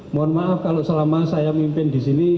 mohon maaf kalau selama saya mimpin di sini